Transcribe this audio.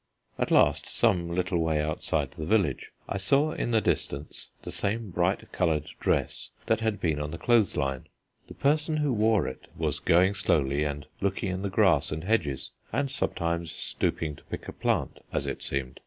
At last, some little way outside the village, I saw in the distance the same bright coloured dress that had been on the clothes line. The person who wore it was going slowly, and looking in the grass and hedges, and sometimes stooping to pick a plant, as it seemed.